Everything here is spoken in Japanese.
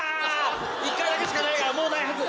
１回だけしかないからもうないはず！